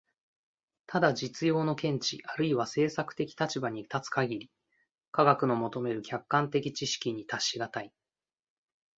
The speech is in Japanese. ただ実用の見地あるいは政策的立場に立つ限り、科学の求める客観的知識に達し難い。